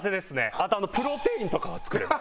あとプロテインとかは作れます。